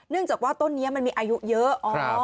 จากว่าต้นนี้มันมีอายุเยอะ